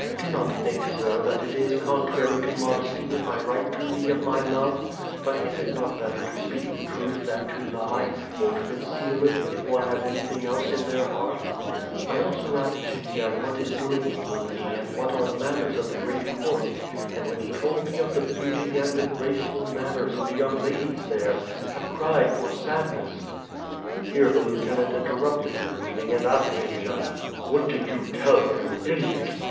Do not think. Sir, that it is contrary to modesty if I write to thee of my love; but is it not better to speak the truth than to lie, or to conceal it, if one has anything else in their heart? I also asked Jendzian what is doing in Lubni and what are the manners of the great court, and when he told me of the beauty and the graceful manners of the young ladies there, I cried for sadness." WITH FIRE AND SWORD. g^ Here the lieutenant interrupted his reading and asked Jendzian: "WTiat did you tell her, you idiot?"